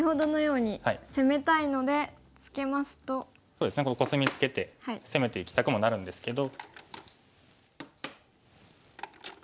そうですねコスミツケて攻めていきたくもなるんですけど。